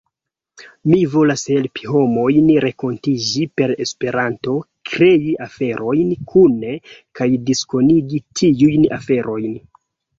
Mi volas helpi homojn renkontiĝi per Esperanto, krei aferojn kune, kaj diskonigi tiujn aferojn.